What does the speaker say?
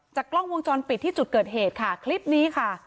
กล้องวงจรปิดที่จุดเกิดเหตุค่ะคลิปนี้ค่ะ